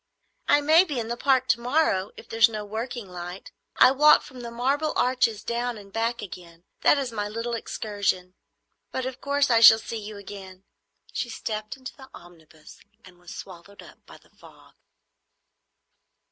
"I may be in the Park to morrow, if there is no working light. I walk from the Marble Arch down and back again; that is my little excursion. But of course I shall see you again." She stepped into the omnibus and was swallowed up by the fog.